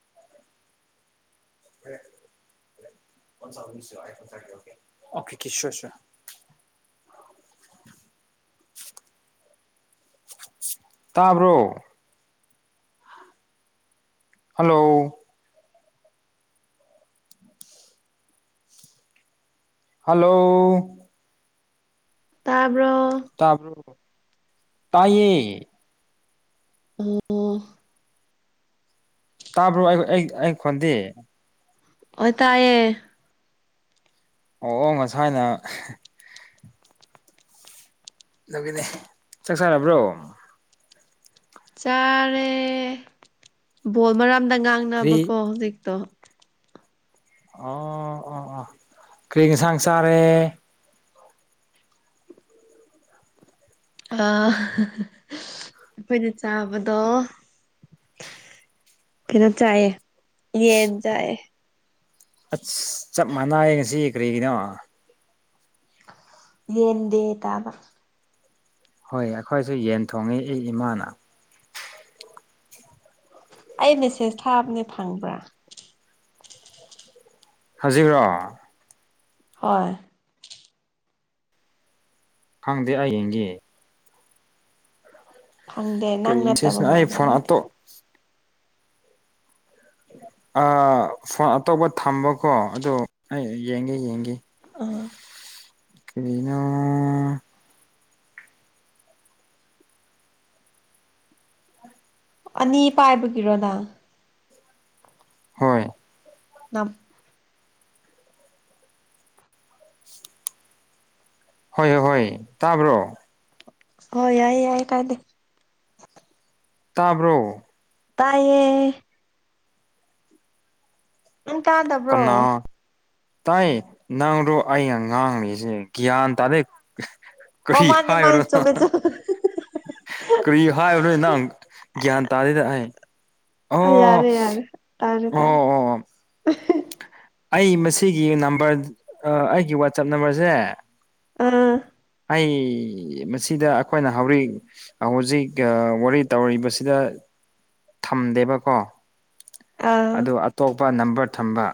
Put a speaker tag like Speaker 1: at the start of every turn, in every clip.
Speaker 1: [inaudible] okay sure sir [inaudible] ꯇꯥꯕ꯭ꯔꯣ hello hello
Speaker 2: ꯇꯥ
Speaker 1: ꯇꯕ꯭ꯔꯣ ꯇꯥꯏꯌꯦ
Speaker 2: ꯑꯣ
Speaker 1: ꯇꯥꯕ꯭ꯔꯣ ꯑꯩ ꯑꯩ ꯈꯣꯟꯗꯤ
Speaker 2: ꯑꯣ ꯇꯥꯏꯌꯦ
Speaker 1: ꯑꯣ ꯑꯣ ꯉꯁꯥꯏꯅ ꯑꯗꯨꯒꯤꯅꯤ ꯆꯥꯛ ꯆꯥꯔꯕ꯭ꯔꯣ
Speaker 2: ꯆꯥꯔꯦ ꯕꯣꯜ ꯃꯔꯝꯗ ꯉꯥꯡꯅꯕꯀꯣ
Speaker 1: ꯀ꯭ꯔꯤ
Speaker 2: ꯍꯧꯖꯤꯛꯇꯣ
Speaker 1: ꯑꯣ ꯑꯣ ꯑꯣ ꯀ꯭ꯔꯤ ꯌꯦꯟꯁꯥꯡ ꯆꯥꯔꯦ
Speaker 2: ꯑꯥ ꯑꯩꯈꯣꯏꯅ ꯆꯥꯕꯗꯣ ꯀꯩꯅꯣ ꯆꯥꯏꯌꯦ ꯌꯦꯟ ꯆꯥꯏꯌꯦ
Speaker 1: ꯑꯁ ꯆꯞ ꯃꯥꯟꯅꯩ ꯉꯁꯤ ꯀꯔꯤꯒꯤꯅꯣ
Speaker 2: ꯌꯦꯟ ꯗꯦ ꯇꯥꯕ
Speaker 1: ꯍꯣꯏ ꯑꯩꯈꯣꯏꯁꯨ ꯌꯦꯟ ꯊꯣꯡꯉꯦ ꯑꯩ ꯏꯃꯥꯅ
Speaker 2: ꯑꯩ ꯃꯦꯁꯦꯁ ꯊꯥꯕꯅꯦ ꯐꯪꯕ꯭ꯔꯥ
Speaker 1: ꯍꯧꯖꯤꯛꯔꯣ
Speaker 2: ꯍꯣꯏ
Speaker 1: ꯈꯪꯗꯦ ꯑꯩ ꯌꯦꯡꯒꯤ
Speaker 2: ꯐꯪꯗꯦ ꯅꯪ
Speaker 1: ꯀꯔꯤ
Speaker 2: ꯅꯠꯇꯕ
Speaker 1: ꯃꯦꯁꯦꯁꯅꯣ ꯑꯩ
Speaker 2: ꯃꯥꯥꯟꯂꯦ
Speaker 1: ꯐꯣꯟ
Speaker 2: ꯑꯗꯨꯗꯤ
Speaker 1: ꯑꯇꯣꯞ ꯑꯥ ꯐꯣꯟ ꯑꯇꯣꯞꯄ ꯊꯝꯕꯀꯣ ꯑꯗꯨ ꯑꯩ ꯌꯦꯡꯒꯦ ꯌꯦꯡꯒꯦ
Speaker 2: ꯑꯥ
Speaker 1: ꯀꯔꯤꯅꯣ
Speaker 2: ꯑꯅꯤ ꯄꯥꯏꯕꯒꯤꯔꯣ ꯅꯪ
Speaker 1: ꯍꯣꯏ
Speaker 2: ꯅꯝ
Speaker 1: ꯍꯣꯏ ꯍꯣꯏ ꯍꯣꯏ ꯇꯥꯕ꯭ꯔꯣ
Speaker 2: ꯍꯣ ꯌꯥꯏꯌꯦ ꯌꯥꯏ ꯀꯥꯏꯗꯦ
Speaker 1: ꯇꯥꯕ꯭ꯔꯣ
Speaker 2: ꯇꯥꯏꯌꯦ ꯅꯪ ꯇꯥꯗꯕ꯭ꯔꯣ
Speaker 1: ꯇꯥꯏ ꯅꯪꯗꯣ ꯑꯩꯅ ꯉꯥꯡꯂꯤꯁꯦ ꯒ꯭ꯌꯥꯟ ꯇꯥꯗꯩ
Speaker 2: ꯑꯣ
Speaker 1: ꯀꯔꯤ
Speaker 2: ꯃꯥꯅꯦ ꯃꯥꯅꯦ
Speaker 1: ꯍꯥꯏꯕ꯭ꯔꯣ ꯅꯣ
Speaker 2: ꯆꯨꯝꯃꯦ
Speaker 1: ꯍꯥꯍꯥ
Speaker 2: ꯆꯨꯝꯃꯦ
Speaker 1: ꯀꯔꯤ ꯍꯥꯏꯕꯅꯣꯅꯦ ꯅꯪ ꯒ꯭ꯌꯥꯟ ꯇꯥꯗꯦꯗ ꯑꯩ
Speaker 2: ꯑꯥ
Speaker 1: ꯑꯣ
Speaker 2: ꯌꯥꯔꯦ ꯌꯥꯔꯦ ꯇꯥꯔꯦ ꯇꯥꯔꯦ ꯑꯍꯤ
Speaker 1: ꯑꯣ ꯑꯣ ꯑꯩ ꯃꯁꯤꯒꯤ ꯅꯝꯕꯔ ꯑꯥ ꯑꯩꯒꯤ ꯋꯥꯆꯞ ꯅꯝꯕꯔꯁꯦ
Speaker 2: ꯑꯥ
Speaker 1: ꯑꯩ ꯃꯁꯤꯗ ꯑꯩꯈꯣꯏꯅ ꯍꯧꯔꯤꯛ ꯍꯧꯖꯤꯛ ꯑꯥ ꯋꯥꯔꯤ ꯇꯧꯔꯤꯕꯁꯤꯗ ꯊꯝꯗꯦꯕꯀꯣ
Speaker 2: ꯑꯥ
Speaker 1: ꯑꯗꯨ ꯑꯇꯣꯞꯄ ꯅꯝꯕꯔ ꯊꯝꯕ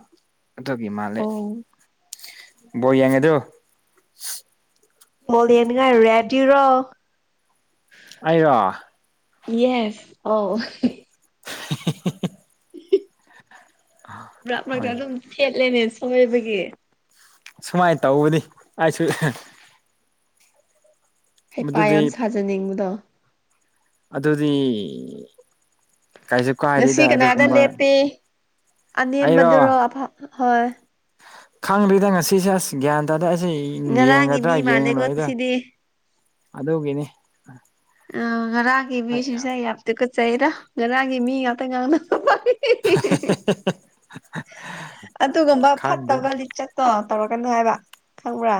Speaker 1: ꯑꯗꯨꯒꯤ ꯃꯥꯜꯂꯦ
Speaker 2: ꯑꯣ
Speaker 1: ꯕꯣꯜ ꯌꯦꯡꯉꯗꯨ
Speaker 2: ꯃꯣꯜ ꯌꯦꯡꯅꯤꯉꯥꯏ ꯔꯦꯗꯤꯔꯣ
Speaker 1: ꯑꯩꯔꯣ
Speaker 2: ꯌꯦꯁ ꯑꯧ
Speaker 1: [inaudible]
Speaker 2: ꯃꯔꯛ ꯃꯔꯛꯇ
Speaker 1: ꯍꯣꯏ
Speaker 2: ꯑꯗꯨꯝ ꯊꯦꯠꯂꯦꯅꯦ ꯁꯣꯏꯕꯒꯤ
Speaker 1: ꯁꯨꯃꯥꯏ ꯇꯧꯕꯅꯤ ꯑꯩꯁꯨ
Speaker 2: ꯍꯩꯄꯥ ꯌꯥꯝ
Speaker 1: ꯃꯗꯨꯗꯤ
Speaker 2: ꯁꯥꯖꯅꯤꯡꯕꯗꯣ
Speaker 1: ꯑꯗꯨꯗꯤ ꯀꯩꯁꯨ
Speaker 2: ꯉꯁꯤ
Speaker 1: ꯀꯥꯏꯗꯦꯗ
Speaker 2: ꯀꯅꯥꯗ
Speaker 1: ꯑꯗꯨꯒꯨꯝꯕ
Speaker 2: ꯂꯦꯞꯄꯦ ꯑꯅꯦꯝꯕꯗꯨꯔꯣ
Speaker 1: ꯑꯩꯔꯣ
Speaker 2: ꯑ ꯐ ꯍꯣꯏ
Speaker 1: ꯈꯪꯗ꯭ꯔꯤꯗ ꯉꯁꯤꯁꯦ ꯑꯁ ꯒ꯭ꯌꯥꯟ ꯇꯥꯗꯦ ꯑꯁꯤ
Speaker 2: ꯉꯔꯥꯡꯒꯤ
Speaker 1: ꯌꯦꯡꯒꯗ꯭ꯔꯥ
Speaker 2: ꯃꯤ ꯃꯥꯜꯂꯦꯀꯣ
Speaker 1: ꯌꯦꯡꯉꯣꯏꯗꯔ
Speaker 2: ꯁꯤꯗꯤ
Speaker 1: ꯑꯗꯨꯒꯤꯅꯦ
Speaker 2: ꯑꯥ ꯉꯔꯥꯡꯒꯤ ꯃꯤꯁꯤꯡꯁꯦ ꯑꯩ ꯌꯥꯝ ꯇꯨꯀꯠꯆꯩꯌꯦꯗ ꯉꯔꯥꯡꯒꯤ ꯃꯤ ꯉꯥꯛꯇ ꯉꯥꯡꯅꯄ ꯑꯗꯨꯒꯨꯝꯕ
Speaker 1: ꯈꯪꯗꯦ
Speaker 2: ꯐꯠꯇꯕ ꯂꯤꯆꯠꯇꯣ ꯇꯧꯔꯛꯀꯅꯨ ꯍꯥꯏꯕ ꯈꯪꯕ꯭ꯔꯥ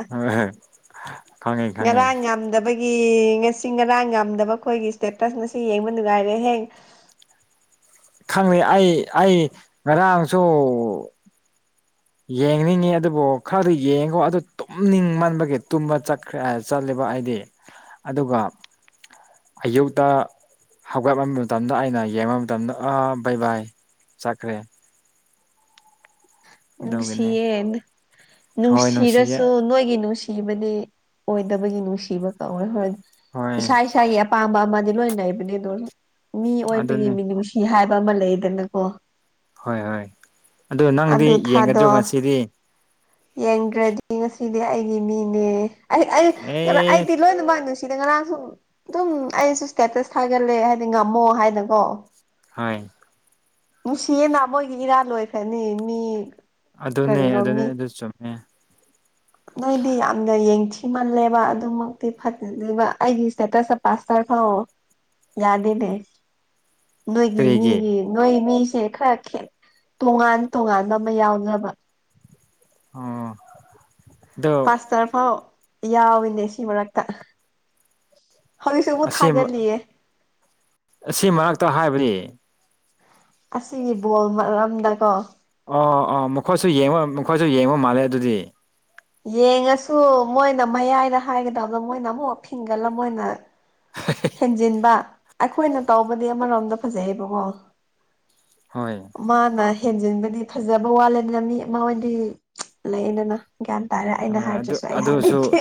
Speaker 1: ꯈꯪꯉꯦ ꯈꯪꯉꯦ
Speaker 2: ꯉꯔꯥꯡ ꯌꯥꯝꯗꯕꯒꯤ ꯀꯤ ꯉꯁꯤ ꯉꯔꯥꯡ ꯉꯝꯗꯕ ꯈꯣꯏꯒꯤ ꯏꯁꯇꯦꯇꯁ ꯉꯁꯤ ꯌꯦꯡꯕ ꯅꯨꯡꯉꯥꯏꯔꯦ ꯍꯦ
Speaker 1: ꯈꯪꯉꯦ ꯑꯩ ꯑꯩ ꯉꯔꯥꯡꯁꯨ ꯌꯦꯡꯅꯤꯡꯉꯤ ꯑꯗꯨꯕꯨ ꯈꯔꯗꯤ ꯌꯦꯡꯉꯦꯀꯣ ꯑꯗꯨ ꯇꯨꯝꯅꯤꯡ ꯃꯟꯕꯒꯤ ꯇꯨꯝꯕ ꯆꯠꯈ꯭ꯔꯦ ꯑꯥ ꯆꯠꯂꯦꯕ ꯄ ꯑꯩꯗꯤ ꯑꯗꯨꯒ ꯑꯌꯨꯛꯇ ꯍꯧꯒꯠꯂꯝꯕ ꯃꯇꯝꯗ ꯑꯩꯅ ꯌꯦꯡꯕ ꯃꯇꯝꯗ ꯑꯥ ꯕꯥꯩ ꯕꯥꯏ ꯆꯠꯈ꯭ꯔꯦ ꯑꯗꯨꯒꯤꯅꯤ
Speaker 2: ꯅꯨꯡꯁꯤꯌꯦ
Speaker 1: ꯍꯣꯏ ꯅꯨꯡꯁꯤꯌꯦ
Speaker 2: ꯅꯨꯡꯁꯤꯔꯁꯨ ꯅꯣꯏꯒꯤ ꯅꯨꯡꯁꯤ ꯀꯤꯕꯗꯤ ꯑꯣꯏꯗꯕꯒꯤ ꯅꯨꯡ ꯁꯤꯕ ꯀꯧꯋꯦ ꯍꯣꯏ
Speaker 1: ꯍꯣꯏ
Speaker 2: ꯏꯁꯥ ꯏꯁꯥꯒꯤ ꯑꯄꯥꯝꯕ ꯑꯃꯗꯤ ꯂꯣꯏ ꯂꯩꯕꯅꯦ ꯑꯗꯨ ꯃꯤ ꯑꯣꯏꯕꯒꯤ
Speaker 1: ꯑꯗꯨꯅꯤ
Speaker 2: ꯃꯤꯅꯨꯡꯁꯤ ꯍꯥꯏꯕ ꯑꯃ ꯂꯩꯗꯅꯀꯣ
Speaker 1: ꯍꯣꯏ ꯍꯣꯏ ꯑꯗꯨ ꯅꯪꯗꯤ ꯌꯦꯡꯒꯗ꯭ꯔꯣ ꯉꯁꯤꯗꯤ
Speaker 2: ꯌꯦꯡꯗ꯭ꯔꯗꯤ ꯉꯁꯤꯗꯤ ꯑꯩꯒꯤ ꯃꯤꯅꯦ ꯑꯩ ꯑꯩ ꯉꯥ
Speaker 1: ꯑꯦ
Speaker 2: ꯑꯩꯗꯤ ꯂꯣꯏꯅ ꯃꯥꯛ ꯅꯨꯡꯁꯤ ꯁꯤꯗ ꯉꯔꯥꯡꯁꯨ ꯑꯗꯨꯝ ꯑꯩꯁꯨ ꯏꯁꯇꯦꯇꯁ ꯊꯥꯒꯠꯂꯦ ꯍꯥꯏꯗꯤ ꯉꯝꯃꯣ ꯍꯥꯏꯅꯀꯣ
Speaker 1: ꯍꯣꯏ
Speaker 2: ꯅꯨꯡꯁꯤꯌꯦꯅ ꯃꯣꯏꯒꯤ ꯏꯔꯥꯜ ꯂꯣꯏꯈ꯭ꯔꯅꯤ ꯃꯤ
Speaker 1: ꯑꯗꯨꯅꯦ
Speaker 2: ꯀꯔꯤꯔꯣ
Speaker 1: ꯑꯗꯨꯅꯦ
Speaker 2: ꯃꯤ
Speaker 1: ꯑꯗꯨ ꯆꯨꯝꯃꯦ
Speaker 2: ꯅꯣꯏꯗꯤ ꯌꯥꯝꯅ ꯌꯦꯡꯊꯤꯃꯜꯂꯦꯕ ꯑꯗꯨꯃꯛꯇꯤ ꯐꯠꯇꯕ ꯑꯩꯒꯤ ꯏꯁꯇꯦꯇꯁ ꯄꯁ ꯐꯥꯎ ꯌꯥꯗꯦꯅꯦ ꯅꯣꯏꯒꯤ
Speaker 1: ꯀꯔꯤꯒꯤ
Speaker 2: ꯃꯤꯒꯤ ꯅꯣꯏ ꯃꯤ ꯁꯦ ꯈꯔ ꯈꯦ ꯇꯣꯉꯥꯟ ꯇꯣꯉꯥꯟꯕ ꯑꯃ ꯌꯥꯎꯅꯕ
Speaker 1: ꯑꯣ ꯑꯗꯣ
Speaker 2: ꯄꯥꯁꯇꯔ ꯐꯥꯎ ꯌꯥꯎꯏꯤꯅꯦ ꯁꯤ ꯃꯔꯛꯇ ꯍꯧꯖꯤꯛꯁꯨ ꯑꯃꯨꯛ
Speaker 1: ꯑꯁꯤ ꯃꯥ
Speaker 2: ꯊꯥꯒꯠꯂꯤꯌꯦ
Speaker 1: ꯑꯁꯤ ꯃꯔꯛꯇ ꯍꯥꯏꯕꯗꯤ
Speaker 2: ꯑꯁꯤꯒꯤ ꯕꯣꯜ ꯃꯔꯝꯗꯀꯣ
Speaker 1: ꯑꯣ ꯑꯣ ꯃꯈꯣꯏꯁꯨ ꯌꯦꯡꯕ ꯃꯈꯣꯏꯁꯨ ꯌꯦꯡꯕ ꯃꯥꯜꯂꯦ ꯑꯗꯨꯗꯤ
Speaker 2: ꯌꯦꯡꯉꯁꯨ ꯃꯣꯏꯅ ꯃꯌꯥꯏꯗ ꯍꯥꯏꯒꯗꯕꯗ ꯃꯣꯏꯅ ꯑꯃꯨꯛ ꯐꯤꯡꯒꯜꯂ ꯃꯣꯏꯅ ꯍꯦꯟꯖꯤꯟꯕ ꯑꯩꯈꯣꯏꯅ ꯇꯧꯕꯗꯤ ꯑꯃꯔꯣꯝꯗ ꯐꯖꯩꯌꯦꯕꯀꯣ
Speaker 1: ꯍꯣꯏ
Speaker 2: ꯃꯥꯅ ꯍꯦꯟ ꯊꯦꯟꯖꯤꯟꯕꯗꯤ ꯐꯖꯕ ꯋꯥꯠꯂꯦꯅ ꯃꯤ ꯑꯃꯍꯣꯏꯗꯤ ꯂꯩꯌꯦꯗꯅ ꯒ꯭ꯌꯥꯟ ꯇꯥꯔꯦ ꯑꯩꯅ
Speaker 1: ꯑꯗꯨ
Speaker 2: ꯍꯥꯏꯗ꯭ꯔꯁꯨ ꯑꯩ
Speaker 1: ꯑꯗꯨꯁꯨ
Speaker 2: ꯍꯥꯏꯅꯤꯡꯒꯦ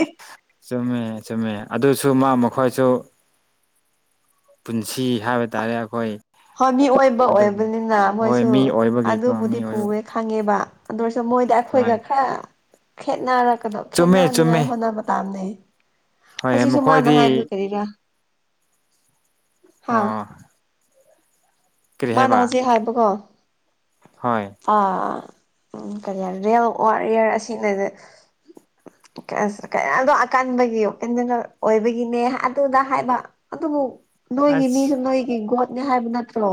Speaker 1: ꯆꯨꯝꯃꯦ ꯆꯨꯝꯃꯦ ꯑꯗꯨꯁꯨ ꯃꯥ ꯃꯈꯣꯏꯁꯨ ꯄꯨꯟꯁꯤ ꯍꯥꯏꯕ ꯇꯥꯔꯦ ꯑꯩꯈꯣꯏ
Speaker 2: ꯍꯣꯏ ꯃꯤ ꯑꯣꯏꯕ
Speaker 1: ꯑꯗꯨꯒꯤ
Speaker 2: ꯑꯣꯏꯕꯅꯤꯅ
Speaker 1: ꯍꯣꯏ
Speaker 2: ꯃꯣꯏꯁꯨ
Speaker 1: ꯃꯤ ꯑꯣꯏꯕꯒꯤꯀꯣ
Speaker 2: ꯑꯗꯨꯕꯨꯗꯤ
Speaker 1: ꯃꯤ ꯑꯣꯏꯕ
Speaker 2: ꯄꯨꯋꯦ ꯈꯪꯉꯦꯕ ꯑꯗꯨ ꯑꯣ ꯃꯣꯏꯗ
Speaker 1: ꯍꯣꯏ
Speaker 2: ꯑꯩꯈꯣꯏꯒ ꯈꯔ ꯈꯦꯠꯅꯔꯛꯀꯗꯣ
Speaker 1: ꯆꯨꯝꯃꯦ
Speaker 2: ꯈꯦꯠꯅꯅꯤꯉꯥꯏ
Speaker 1: ꯆꯨꯝꯃꯦ
Speaker 2: ꯍꯣꯠꯅꯕ ꯇꯥꯝꯅꯦ
Speaker 1: ꯍꯣꯏ
Speaker 2: ꯍꯧꯖꯤꯛꯁꯨ ꯃꯥꯅ ꯍꯥꯏꯕꯗꯨ
Speaker 1: ꯃꯈꯣꯏꯗꯤ
Speaker 2: ꯀꯔꯤꯔꯥ ꯍꯥ
Speaker 1: ꯑꯥ
Speaker 2: ꯃꯥꯅ ꯍꯧꯖꯤꯛ ꯍꯥꯏꯕꯀꯣ
Speaker 1: ꯍꯣꯏ
Speaker 2: ꯑꯥ ꯎꯝ ꯀꯔꯤ ꯍꯥꯏ ꯔꯤꯌꯦꯜ ꯋꯥꯔꯤꯌꯔ ꯑꯁꯤꯅꯗꯤ ꯀꯩꯅꯗꯣ ꯑꯀꯟꯕꯒꯤ ꯑꯣꯏꯕꯒꯤꯅꯦ ꯑꯗꯨꯗ ꯍꯥꯏꯕ ꯑꯗꯨꯕꯨ ꯅꯣꯏꯒꯤ
Speaker 1: ꯑꯁ
Speaker 2: ꯃꯤꯁꯨ ꯅꯣꯏꯒꯤ ꯒꯣꯠꯅꯦ ꯍꯥꯏꯕ ꯅꯠꯇ꯭ꯔꯣ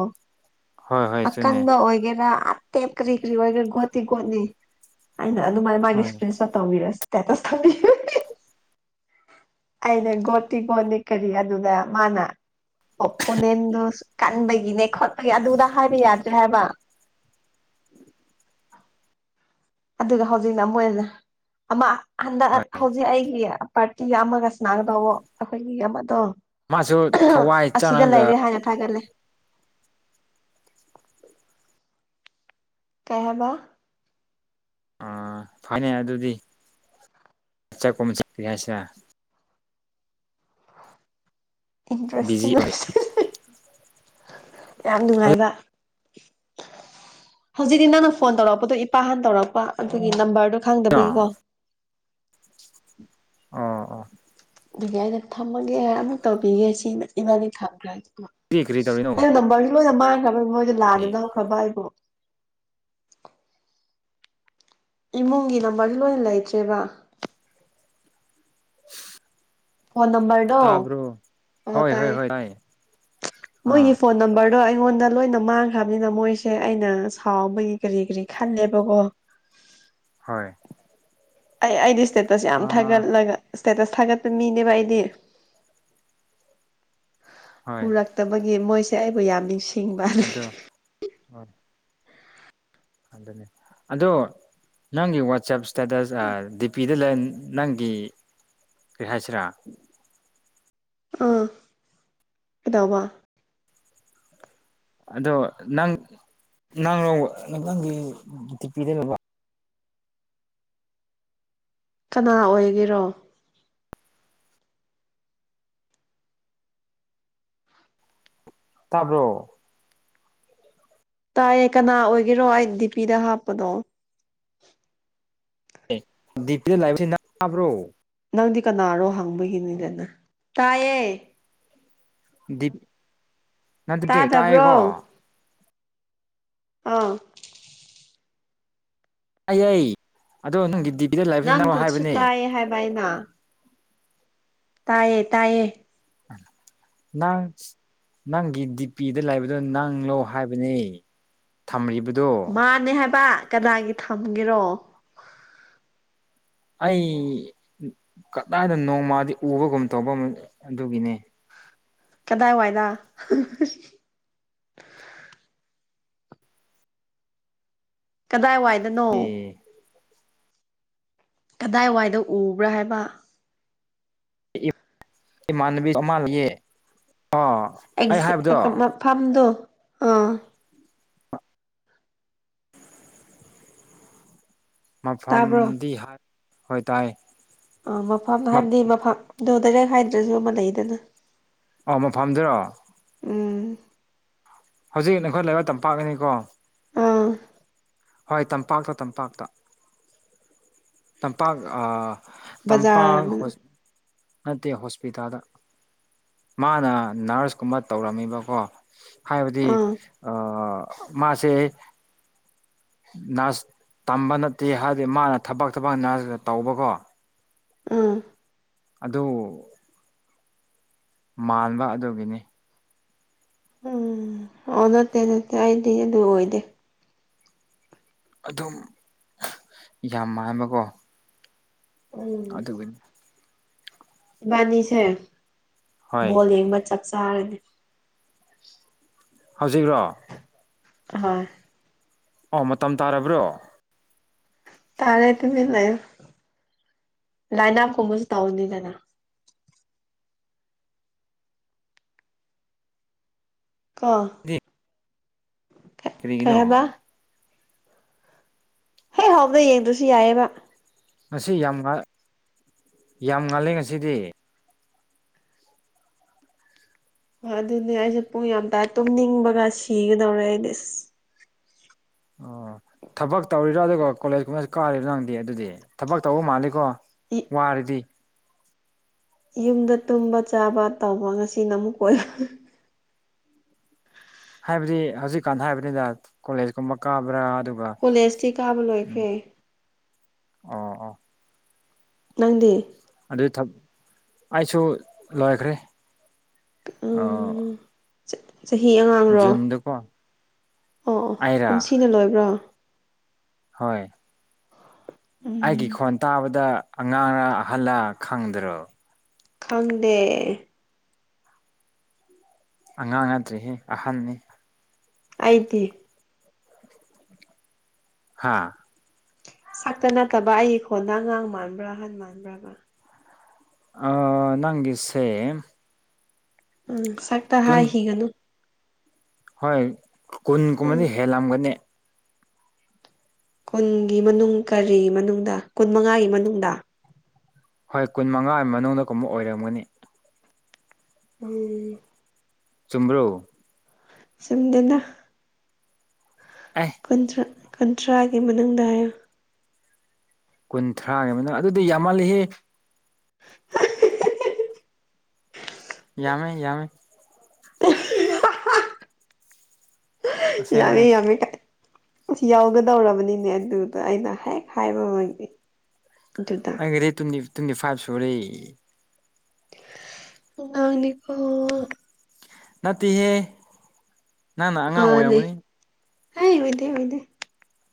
Speaker 1: ꯍꯣꯏ ꯍꯣꯏ ꯆꯨꯝꯃꯦ
Speaker 2: ꯑꯀꯟꯕ ꯑꯣꯏꯒꯦꯔꯥ ꯑꯥ ꯇꯦꯞ ꯀꯔꯤ ꯀꯔꯤ ꯑꯣꯏ ꯒꯣꯠꯇꯤ ꯒꯣꯠꯅꯤ ꯑꯩꯅ ꯑꯗꯨꯃꯥꯏꯅ ꯃꯥꯒꯤ
Speaker 1: ꯍꯣꯏ
Speaker 2: ꯑꯦꯛꯁꯄꯤꯔꯤꯟꯁꯇ ꯇꯧꯕꯤꯔꯁꯤ ꯁꯇꯦꯇꯁ ꯊꯝꯕꯤ [unintelligible] ꯑꯩꯅ ꯒꯣꯠꯇꯤ ꯒꯣꯠꯅꯤ ꯀꯔꯤ ꯑꯗꯨꯗ ꯃꯥꯅ ꯑꯣꯄꯣꯅꯦꯟꯗꯨ ꯀꯟꯕꯒꯤꯅꯦ ꯈꯣꯠꯄꯒꯤ ꯑꯗꯨꯗ ꯍꯥꯏꯕ ꯌꯥꯗ꯭ꯔꯦ ꯍꯥꯏꯕ ꯑꯗꯨꯒ ꯍꯧꯖꯤꯛꯅ ꯑꯃꯣꯏꯅ ꯑꯃ ꯍꯟꯗꯛ
Speaker 1: ꯍꯣꯏ
Speaker 2: ꯍꯧꯖꯤꯛ ꯑꯩꯒꯤ ꯄꯥꯔꯇꯤꯒ ꯑꯃꯒ ꯅꯥ ꯇꯧꯕ ꯑꯩꯈꯣꯏꯒꯤ ꯑꯃꯗꯣ
Speaker 1: ꯃꯥꯁꯨ ꯊꯋꯥꯏ
Speaker 2: ꯑꯁꯤꯗ
Speaker 1: ꯆꯪꯉꯒ
Speaker 2: ꯂꯩꯔꯦ ꯍꯥꯏꯅ ꯊꯥꯒꯠꯂꯦ ꯀꯩꯪ ꯍꯥꯏꯕ
Speaker 1: ꯑꯥ ꯐꯩꯅꯦ ꯑꯗꯨꯗꯤ ꯆꯠꯄꯣ ꯑꯃ ꯆꯠꯀꯦ ꯍꯥꯏꯁꯤꯔ ꯕꯤꯖꯤ
Speaker 2: ꯏꯟꯇꯔꯦꯁꯇꯤꯡ
Speaker 1: ꯑꯣꯏ
Speaker 2: ꯂꯁ ꯌꯥꯝ
Speaker 1: ꯍꯧꯖꯤꯛꯔꯣ
Speaker 2: ꯅꯨꯡꯉꯥꯏꯕ ꯍꯧꯖꯤꯛꯇꯤ ꯅꯪꯅ ꯐꯣꯟ ꯇꯧꯔꯛꯄꯗꯣ ꯏꯄꯥ ꯍꯥꯟ ꯇꯧꯔꯛꯄ ꯑꯗꯨꯒꯤ ꯅꯝꯕꯔꯗꯣ ꯈꯪꯗꯕꯒꯤꯀꯣ
Speaker 1: ꯑꯣ ꯑꯣ
Speaker 2: ꯑꯗꯨꯒꯤ ꯑꯩꯅ ꯊꯝꯃꯒꯦ ꯑꯃ ꯇꯧꯕꯤꯒꯦ ꯁꯤꯃ ꯏꯃꯗꯤ ꯊꯝꯈ꯭ꯔꯁꯦ
Speaker 1: ꯀꯔꯤ ꯀꯔꯤ ꯇꯧꯔꯤꯅꯣ
Speaker 2: ꯑꯩ ꯅꯝꯕꯔꯁ ꯂꯣꯏꯅ ꯃꯥꯡꯈ꯭ꯔꯕ ꯃꯣꯏꯗꯤ ꯂꯥꯟꯅ ꯂꯧꯈ꯭ꯔꯕ ꯑꯩꯕꯨ ꯏꯃꯨꯡꯒꯤ ꯅꯝꯕꯔꯖꯨ ꯂꯣꯏꯅ ꯂꯩꯇ꯭ꯔꯦꯕ
Speaker 1: [unintelligible]
Speaker 2: ꯐꯣꯟ ꯅꯝꯕꯔꯗꯣ
Speaker 1: ꯇꯥꯕ꯭ꯔꯣ
Speaker 2: ꯑꯣ
Speaker 1: ꯍꯣꯏ ꯍꯣꯏ
Speaker 2: ꯇꯥꯏꯌꯦ
Speaker 1: ꯍꯣꯏ
Speaker 2: ꯃꯣꯏꯒꯤ
Speaker 1: ꯑꯥ
Speaker 2: ꯐꯣꯟ ꯅꯝꯕꯔ ꯑꯗꯣ ꯑꯩꯉꯣꯟꯗ ꯂꯣꯏꯅ ꯃꯥꯡꯈ꯭ꯔꯕꯅꯤꯅ ꯃꯣꯏꯁꯦ ꯑꯩꯅ ꯁꯥꯎꯕꯒꯤ ꯀꯔꯤ ꯀꯔꯤ ꯈꯜꯂꯦꯕꯀꯣ
Speaker 1: ꯍꯣꯏ
Speaker 2: ꯑꯩ ꯑꯩꯗꯤ ꯏꯁꯇꯦꯇꯁ ꯌꯥꯝ
Speaker 1: ꯑꯥ
Speaker 2: ꯊꯥꯒꯠꯂꯒ ꯏꯁꯇꯦꯇꯁ ꯊꯥꯒꯠꯄ ꯃꯤꯅꯦꯕ ꯑꯩꯗꯤ
Speaker 1: ꯍꯣꯏ
Speaker 2: ꯎꯔꯛꯇꯕꯩ ꯒꯤ ꯃꯣꯏꯁꯦ ꯑꯩꯕꯨ ꯌꯥꯝ ꯅꯤꯡꯁꯤꯡꯕꯅꯦ
Speaker 1: ꯑꯗꯣ ꯑꯗꯨꯅꯦ ꯑꯗꯣ ꯅꯪꯒꯤ ꯋꯥꯆꯦꯞ ꯏꯁꯇꯦꯇꯁ ꯑꯥ ꯗꯤꯄꯤꯗ ꯂꯟ ꯅꯪꯒꯤ ꯀꯔꯤ ꯍꯥꯏꯁꯤꯔ
Speaker 2: ꯑꯥ ꯀꯗꯧꯕ
Speaker 1: ꯑꯗꯣ ꯅꯪ ꯅꯪ ꯔꯣ ꯅꯪꯒꯤ ꯇꯤꯄꯤꯗ ꯂꯕ
Speaker 2: ꯀꯅꯥ ꯑꯣꯏꯒꯦꯔꯣ
Speaker 1: ꯇꯥꯕ꯭ꯔꯣ
Speaker 2: ꯇꯥꯏꯌꯦ ꯀꯅꯥ ꯑꯣꯏꯒꯦꯔꯣ ꯑꯩ ꯗꯤꯄꯤꯗ ꯍꯥꯞꯄꯗꯣ
Speaker 1: [unintelligible]
Speaker 2: ꯅꯪꯗꯤ ꯀꯅꯥꯔꯣ ꯍꯪꯕꯒꯤꯅꯤꯗꯅ ꯇꯥꯏꯌꯦ
Speaker 1: ꯗꯤꯞ ꯅꯕꯗꯤ
Speaker 2: ꯇꯥꯗꯕ꯭ꯔꯣ
Speaker 1: ꯇꯥꯏꯑꯦꯀꯣ
Speaker 2: ꯑꯥ
Speaker 1: ꯑꯩ ꯑꯩ ꯑꯗꯣ ꯅꯪꯒꯤ ꯗꯤꯕꯤꯗ ꯂꯩꯕꯁꯤ ꯅꯪ
Speaker 2: ꯅꯪꯕꯨꯁꯨ
Speaker 1: ꯍꯥꯏꯕꯅꯦ
Speaker 2: ꯇꯥꯏꯌꯦ ꯍꯥꯏꯕ ꯑꯩꯅ ꯇꯥꯏꯌꯦ ꯇꯥꯏꯌꯦ
Speaker 1: [inaudible] ꯅꯪ ꯅꯪꯒꯤ ꯗꯤꯄꯤꯗ ꯂꯩꯕꯗꯣ ꯅꯪꯂꯣ ꯍꯥꯏꯕꯅꯦ ꯊꯝꯔꯤꯕꯗꯣ
Speaker 2: ꯃꯥꯅꯦ ꯍꯥꯏꯕ ꯀꯅꯥꯒꯤ ꯊꯝꯒꯦꯔꯣ
Speaker 1: ꯑꯩ ꯀꯗꯥꯏꯗꯅꯣ ꯃꯗꯤ ꯎꯕꯒꯨꯝ ꯇꯧꯕ ꯑꯗꯨꯒꯤꯅꯦ
Speaker 2: ꯀꯗꯥꯏ ꯋꯥꯏꯗ ꯀꯗꯥꯏ ꯋꯥꯏꯗꯅꯣ
Speaker 1: ꯑꯦ
Speaker 2: ꯀꯗꯥꯏꯋꯥꯏꯗ ꯎꯕ꯭ꯔꯥ ꯍꯥꯏꯕ
Speaker 1: ꯏꯃꯥꯅꯥꯕꯤ ꯑꯃꯥ ꯂꯩꯌꯦ ꯑꯣ ꯑꯩ ꯍꯥꯏꯕꯗꯣ
Speaker 2: ꯑꯦꯛꯖꯦꯛ ꯃꯐꯝꯗꯣ ꯑꯥ ꯇꯥꯕ꯭ꯔꯣ
Speaker 1: ꯃꯐꯝꯗꯤ ꯍꯣꯏ ꯇꯥꯏ
Speaker 2: ꯑꯥ ꯃꯐꯝ ꯍꯥꯏꯕꯗꯤ ꯃꯐꯝ ꯗꯣ ꯗꯥꯏꯔꯦꯛ ꯍꯥꯏꯗ꯭ꯔꯁꯨ ꯑꯃ ꯂꯩꯗꯅ
Speaker 1: ꯑꯣ ꯃꯐꯝꯗꯨꯔꯣ
Speaker 2: ꯎꯝ
Speaker 1: ꯍꯧꯖꯤꯛ ꯅꯈꯣꯏ ꯂꯩꯕ ꯇꯝꯄꯥꯛꯇꯅꯤꯀꯣ
Speaker 2: ꯑꯥ
Speaker 1: ꯍꯣꯏ ꯇꯝꯄꯥꯛꯇ ꯇꯝꯄꯥꯛꯇ ꯇꯝꯄꯥꯛ ꯑ ꯇꯝꯄꯥꯛ
Speaker 2: ꯕꯖꯥꯔ ꯑꯃ
Speaker 1: ꯍꯣꯁ ꯅꯠꯇꯦ ꯍꯣꯁꯄꯤꯇꯥꯜꯗ ꯃꯥꯅ ꯅꯔꯁꯀꯨꯝꯕ ꯇꯧꯔꯝꯃꯤꯕꯀꯣ ꯍꯥꯏꯕꯗꯤ
Speaker 2: ꯑꯥ
Speaker 1: ꯑꯥ ꯃꯥꯁꯦ ꯅꯔꯁ ꯇꯝꯕ ꯅꯠꯇꯦ ꯍꯥꯏꯗꯤ ꯃꯥꯅ ꯊꯕꯛ ꯊꯕꯛ ꯅꯔꯁ ꯇꯧꯕꯀꯣ
Speaker 2: ꯑꯥ
Speaker 1: ꯑꯗꯨ ꯃꯥꯟꯕ ꯑꯗꯨꯒꯤꯅꯤ
Speaker 2: ꯎꯝ ꯑꯣ ꯅꯠꯇꯦ ꯅꯠꯇꯦ ꯑꯩꯗꯤ ꯑꯗꯨ ꯑꯣꯏꯗꯦ
Speaker 1: ꯑꯗꯨꯝ ꯌꯥꯝ ꯃꯥꯟꯕꯀꯣ ꯑꯗꯨꯒꯤꯅꯤ
Speaker 2: [inaudible] ꯏꯕꯥꯅꯤꯁꯦ
Speaker 1: ꯍꯣꯏ
Speaker 2: ꯕꯣꯜ ꯌꯦꯡꯕ ꯆꯠ ꯆꯥꯔꯗꯤ
Speaker 1: ꯍꯧꯖꯤꯛꯔꯣ
Speaker 2: [unintelligible]
Speaker 1: ꯑꯣ ꯃꯇꯝ ꯇꯥꯔꯕ꯭ꯔꯣ
Speaker 2: ꯇꯥꯔꯦ ꯇꯨꯃꯤꯟ ꯂꯩꯎ ꯂꯥꯏꯅꯞ ꯀꯨꯝꯕꯁꯨ ꯇꯥꯎꯅꯤꯗꯅ ꯀꯣ ꯀꯩ
Speaker 1: ꯀꯔꯤꯒꯤꯅꯣ
Speaker 2: ꯍꯥꯏꯕ ꯍꯦ ꯍꯧꯕꯗ ꯌꯦꯡꯗꯔꯁꯨ ꯌꯥꯏꯑꯦꯕ
Speaker 1: ꯉꯁꯤ ꯌꯥꯝ ꯉ ꯌꯥꯝ ꯉꯥꯂꯦ ꯉꯁꯤꯗꯤ
Speaker 2: ꯑꯗꯨꯅꯦ ꯑꯩꯁꯨ ꯄꯨꯡ ꯌꯥꯝ ꯇꯥꯏ ꯇꯨꯝꯅꯤꯡꯕꯒ ꯁꯤꯒꯗꯧꯔꯦ ꯑꯩꯗꯤ ꯁ
Speaker 1: ꯑꯣ ꯊꯕꯛ ꯇꯧꯔꯤꯔꯣ ꯑꯗꯨꯒ ꯀꯣꯂꯦꯖꯀꯨꯝꯕꯁꯨ ꯀꯥꯔꯤꯕꯔ ꯅꯪꯗꯤ ꯑꯗꯨꯗꯤ ꯊꯕꯛ ꯇꯧꯕ ꯃꯥꯜꯂꯦꯀꯣ ꯋꯥꯔꯗꯤ
Speaker 2: ꯌꯨꯝꯗ ꯇꯨꯝꯕ ꯆꯥꯕ ꯇꯧꯕ ꯉꯁꯤꯅ ꯑꯃꯨꯛ ꯀꯣꯏꯕ
Speaker 1: ꯍꯥꯏꯕꯗꯤ ꯍꯧꯖꯤꯛꯀꯥꯟ ꯍꯥꯏꯕꯅꯤꯅ ꯀꯣꯂꯦꯖ ꯀꯨꯝꯕ ꯀꯕ꯭ꯔꯥ ꯑꯗꯨ
Speaker 2: ꯀꯣꯂꯦꯖꯇꯤ ꯀꯥꯕ ꯂꯣꯏꯈ꯭ꯔꯦ
Speaker 1: ꯑꯣ ꯑꯣ
Speaker 2: ꯅꯪꯗꯤ
Speaker 1: ꯑꯗꯨ ꯊꯞ ꯑꯩꯁꯨ ꯂꯣꯏꯈ꯭ꯔꯦ ꯑꯣ
Speaker 2: ꯆ ꯆꯍꯤ ꯑꯉꯥꯡꯔꯣ ꯑꯣ ꯑꯣ
Speaker 1: ꯑꯩꯔꯥ
Speaker 2: ꯀꯨꯝꯁꯤꯅ ꯂꯣꯏꯕ꯭ꯔꯣ
Speaker 1: ꯍꯣꯏ ꯑꯩꯒꯤ
Speaker 2: ꯎꯝ
Speaker 1: ꯈꯣꯟ ꯇꯥꯕꯗ ꯑꯉꯥꯡꯔ ꯑꯥꯍꯜꯂ ꯈꯪꯗ꯭ꯔꯣ
Speaker 2: ꯈꯪꯗꯦ
Speaker 1: ꯑꯉꯥꯡ ꯅꯠꯇ꯭ꯔꯦꯍꯦ ꯑꯍꯟꯅꯦ
Speaker 2: ꯑꯩꯗꯤ
Speaker 1: ꯍꯥꯥ
Speaker 2: ꯁꯛꯇ ꯅꯠꯇꯕ ꯑꯩꯒꯤ ꯈꯣꯟꯗ ꯑꯉꯥꯡ ꯃꯥꯟꯕ꯭ꯔꯥ ꯑꯍꯟ ꯃꯥꯟꯕ꯭ꯔꯕ
Speaker 1: ꯑꯥ ꯅꯪꯒꯤꯁꯦ
Speaker 2: ꯎꯝ ꯁꯛꯇ
Speaker 1: ꯇꯨꯟ
Speaker 2: ꯍꯥꯏꯈꯤꯒꯅꯨ
Speaker 1: ꯍꯣꯏ ꯀꯨꯟ
Speaker 2: ꯎꯝ
Speaker 1: ꯀꯨꯝꯕꯗꯤ ꯍꯦꯜꯂꯝꯒꯅꯤ
Speaker 2: ꯀꯨꯟꯒꯤ ꯃꯅꯨꯡ ꯀꯔꯤ ꯃꯅꯨꯡꯗ ꯀꯨꯟ ꯃꯉꯥꯒꯤ ꯃꯅꯨꯡꯗ
Speaker 1: ꯍꯣꯏ ꯀꯨꯟ ꯃꯉꯥꯒꯤ ꯃꯅꯨꯡꯗ ꯀꯨꯝꯕ ꯑꯣꯏꯔꯝꯒꯅꯤ
Speaker 2: [unintelligible]
Speaker 1: ꯆꯨꯝꯕ꯭ꯔꯣ
Speaker 2: ꯆꯨꯝꯗꯦꯗ
Speaker 1: ꯑꯦ
Speaker 2: ꯨꯀꯨꯟꯊ꯭ꯔꯥ ꯀꯨꯟꯊ꯭ꯔꯥꯒꯤ ꯃꯅꯨꯡꯗ ꯍꯥꯏꯌꯨ
Speaker 1: ꯀꯨꯟꯊ꯭ꯔꯥꯒꯤ ꯃꯅꯨꯡ ꯑꯗꯨꯗꯤ ꯌꯥꯝꯃꯜꯂꯤꯍꯦ ꯌꯥꯝꯃꯦ ꯌꯥꯝꯃꯦ
Speaker 2: [unintelligible] [unintelligible]
Speaker 1: ꯑꯁꯦꯡꯕꯅꯦ
Speaker 2: ꯑꯁ ꯌꯥꯎꯒꯗꯧꯔꯕꯅꯤꯅꯦ ꯑꯗꯨꯗ ꯑꯩꯅ ꯍꯦꯛ ꯍꯥꯏꯕꯃ
Speaker 1: ꯑꯩꯒꯤꯗꯤ ꯇꯨꯗꯤ ꯇꯨꯡꯗꯤ ꯐꯥꯏꯕ ꯁꯨꯔꯦ
Speaker 2: ꯑꯉꯥꯡꯅꯤꯀꯣ
Speaker 1: ꯅꯠꯇꯦꯍꯦ ꯅꯪꯅ ꯑꯉꯥꯡ ꯑꯣꯏꯔꯝꯒꯅꯤ
Speaker 2: ꯍꯥꯏ ꯑꯣꯏꯗꯦ ꯑꯣꯏꯗꯦ